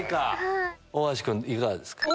大橋君いかがですか？